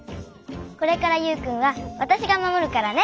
これからユウくんはわたしがまもるからね。